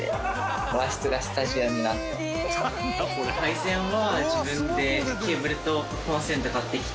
配線は自分でケーブルとコンセント買ってきて。